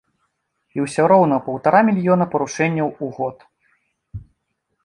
І ўсё роўна паўтара мільёна парушэнняў у год.